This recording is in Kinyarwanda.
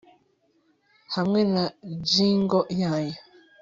Hamwe na jingle yayo